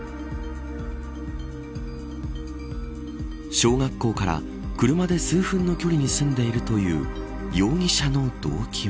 小学校から車で数分の距離に住んでいるという容疑者の動機は。